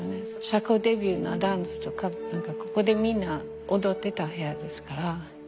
社交デビューのダンスとかここでみんな踊ってた部屋ですから。